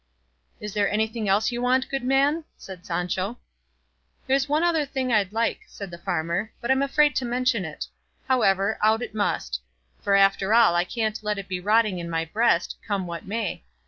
"Is there anything else you want, good man?" said Sancho. "There's another thing I'd like," said the farmer, "but I'm afraid to mention it; however, out it must; for after all I can't let it be rotting in my breast, come what may.